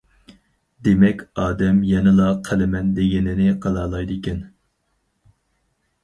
دېمەك ئادەم يەنىلا قىلىمەن دېگىنىنى قىلالايدىكەن.